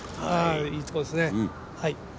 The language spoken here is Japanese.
いいところですね。